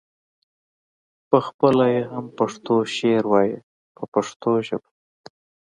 پخپله یې هم پښتو شعر وایه په پښتو ژبه.